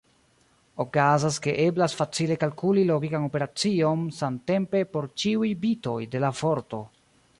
Okazas ke eblas facile kalkuli logikan operacion samtempe por ĉiuj bitoj de la vorto.